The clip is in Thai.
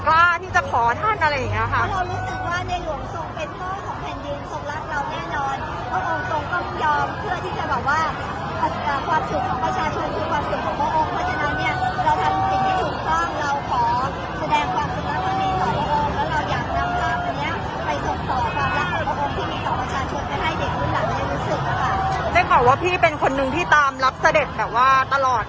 ให้เด็กคุณหลักได้รู้สึกนะคะได้ขอว่าพี่เป็นคนนึงที่ตามรับเสด็จแบบว่าตลอด